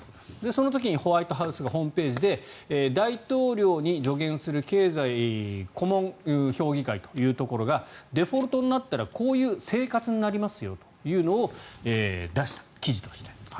その時にホワイトハウスがホームページで大統領に助言する経済顧問評議会というところがデフォルトになったらこういう生活になりますよというのを記事として出した。